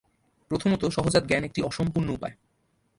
প্রথমত সহজাত জ্ঞান একটি অসম্পূর্ণ উপায়।